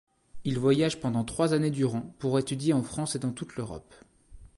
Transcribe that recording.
Il voyage pendant trois années durant pour étudier en France et dans toute l'Europe.